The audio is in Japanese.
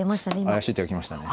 怪しい手が来ましたね。